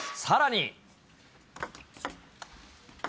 さらに。